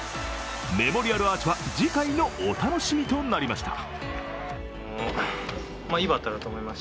メモリアルアーチは次回のお楽しみとなりました。